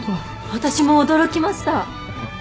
私も驚きました！